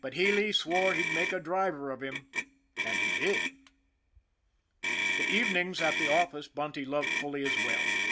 But Healy swore he'd make a driver of him and he did. The evenings at the office Bunty loved fully as well.